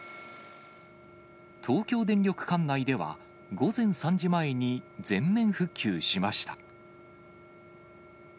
東京電力管内では、午前３時前に全面復旧しました。